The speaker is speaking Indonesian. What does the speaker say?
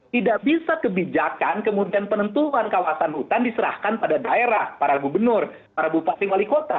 tidak bisa kebijakan kemudian penentuan kawasan hutan diserahkan pada daerah para gubernur para bupati wali kota